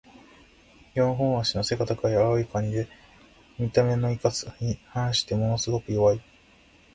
四本脚の背が高い青いカニで、見た目のいかつさに反してものすごく弱い。